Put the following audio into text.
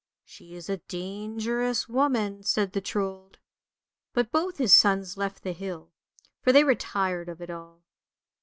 " She is a dangerous woman! " said the Trold, but both his sons left the hill, for they were tired of it all.